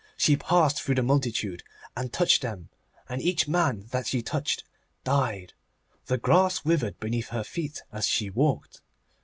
She passed through the multitude, and touched them, and each man that she touched died. The grass withered beneath her feet as she walked.